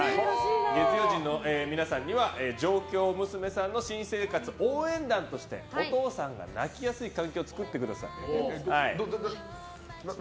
月曜陣の皆さんには上京娘さんの新生活応援団としてお父さんが泣きやすい環境を作ってください。